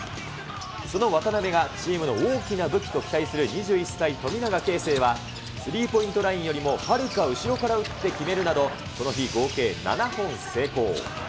その渡邊がチームの大きな武器と期待する２１歳、富永啓生はスリーポイントラインよりもはるか後ろから打って決めるなど、この日、合計７本成功。